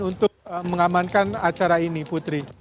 untuk mengamankan acara ini putri